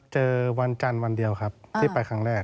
เจอวันจันทร์วันเดียวครับที่ไปครั้งแรก